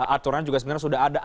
aturan juga sebenarnya sudah ada